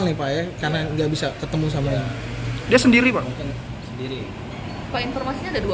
nih pak ya karena nggak bisa ketemu sama dia sendiri pak mungkin sendiri pak informasinya ada dua